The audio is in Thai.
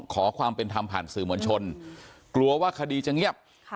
ขอความเป็นธรรมผ่านสื่อเหมือนชณห่วงว่าคดีเงียบ